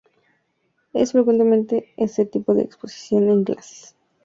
Es frecuente este tipo de exposición en clases, conferencias, charlas y discursos.